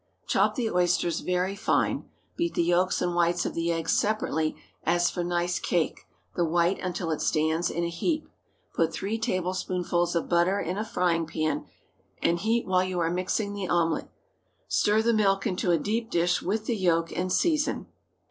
Chop the oysters very fine. Beat the yolks and whites of the eggs separately as for nice cake—the white until it stands in a heap. Put three tablespoonfuls of butter in a frying pan, and heat while you are mixing the omelet. Stir the milk into a deep dish with the yolk, and season.